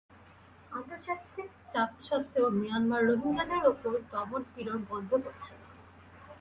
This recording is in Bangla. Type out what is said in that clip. আন্তর্জাতিক চাপ সত্ত্বেও মিয়ানমার রোহিঙ্গাদের ওপর দমন পীড়ন বন্ধ করছে না।